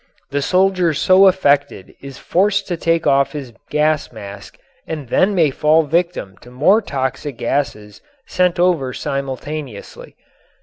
The soldier so affected is forced to take off his gas mask and then may fall victim to more toxic gases sent over simultaneously.